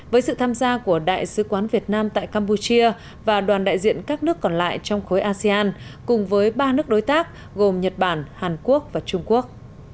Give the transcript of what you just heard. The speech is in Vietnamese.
với sự tham gia của đại sứ quán việt nam tại campuchia và đoàn đại diện các nước còn lại trong khối asean cùng với ba nước đối tác gồm nhật bản hàn quốc và trung quốc